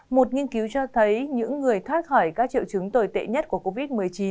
một nghiên cứu cho thấy những người thoát khỏi các triệu chứng tồi tệ nhất của covid một mươi chín